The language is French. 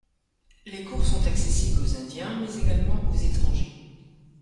Les cours sont accessibles aux indiens mais également aux étrangers.